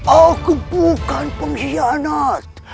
aku bukan pengkhianat